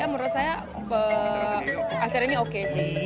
menurut saya acara ini oke sih